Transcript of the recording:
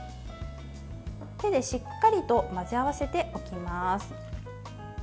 手でしっかりと混ぜ合わせておきます。